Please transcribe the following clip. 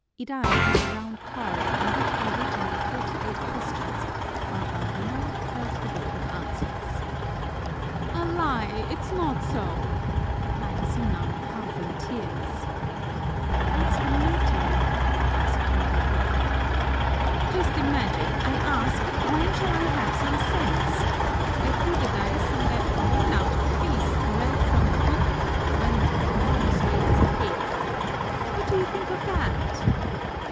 Iday had the round card on which were written the forty eight questions, while Albino held the book of answers. "A lie! It's not so!" cried Sinang, half in tears. "What's the matter?" asked Maria Clara. "Just imagine, I asked, 'When shall I have some sense?' I threw the dice and that worn out priest read from the book, 'When the frogs raise hair.' What do you think of that?"